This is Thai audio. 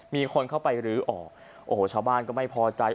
มีคนเข้าไปลื้อออกโอ้โหชาวบ้านก็ไม่พอใจ